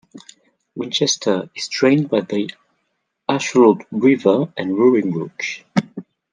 Winchester is drained by the Ashuelot River and Roaring Brook.